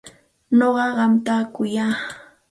Nuqa qamta kuyaq.